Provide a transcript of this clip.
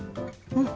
うん。